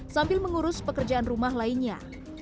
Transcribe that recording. sambil mengurus pekerjaan rumah dan rumah